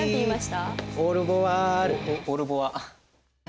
オルボワ？